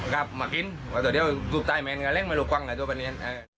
กลับมากินเดี๋ยวจะต๊อบตายไหมก็เล่นไม่รู้กว้างหลังตัวบันนี้